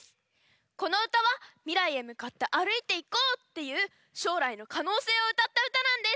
このうたはみらいへむかってあるいていこう！っていうしょうらいのかのうせいをうたったうたなんです！